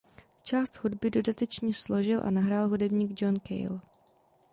Část hudby dodatečně složil a nahrál hudebník John Cale.